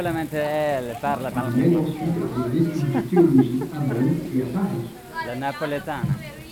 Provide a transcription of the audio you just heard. Il mène ensuite des études de théologie à Bonn et à Paris.